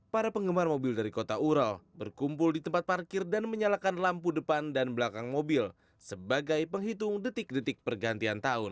para penggemar mobil dari kota ural berkumpul di tempat parkir dan menyalakan lampu depan dan belakang mobil sebagai penghitung detik detik pergantian tahun